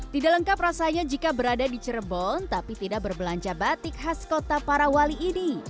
tidak lengkap rasanya jika berada di cirebon tapi tidak berbelanja batik khas kota parawali ini